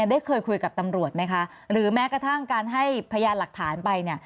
ได้เคยคุยกับตำรวจไหมคะหรือแม้กระทั่งการให้พยานหลักฐานไปเนี่ย